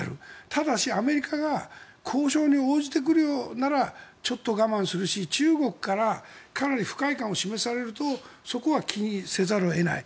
ただし、アメリカが交渉に応じてくるようならちょっと我慢するし中国からかなり不快感を示されるとそこは気にせざるを得ない。